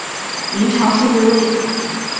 明朝设置的卫所。